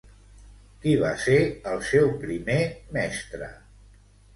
Qui va ser el seu primer mestre?